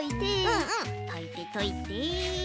うんうんといてといて。